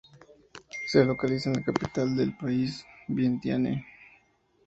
Se localiza en la capital del país, Vientiane.